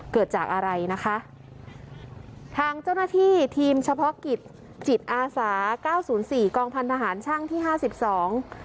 เกิดจากอะไรนะคะทางเจ้าหน้าที่ทีมเฉพาะกิจจิตอาสาเก้าศูนย์สี่กองพันธหารช่างที่ห้าสิบสอง